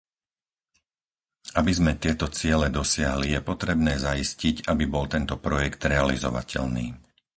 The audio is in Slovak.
Aby sme tieto ciele dosiahli, je potrebné zaistiť, aby bol tento projekt realizovateľný.